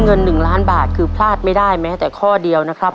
เงิน๑ล้านบาทคือพลาดไม่ได้แม้แต่ข้อเดียวนะครับ